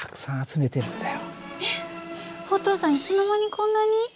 えっお父さんいつの間にこんなに？